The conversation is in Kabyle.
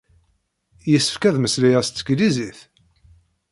Yessefk ad mmeslayeɣ s teglizit?